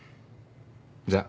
じゃあ。